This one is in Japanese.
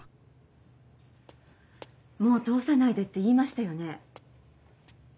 もう通さないでって言いましたよね？